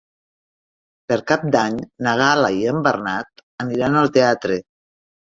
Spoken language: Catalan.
Per Cap d'Any na Gal·la i en Bernat aniran al teatre.